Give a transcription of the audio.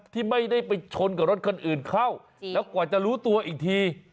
ที่ไม่ได้ไปชนกับรถคันอื่นเข้าแล้วกว่าจะรู้ตัวอีกที